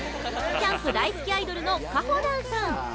キャンプ大好きアイドルのかほなんさん。